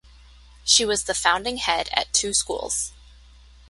She was the founding head at two schools.